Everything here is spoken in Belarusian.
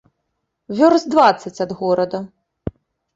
Вёрст дваццаць ад горада.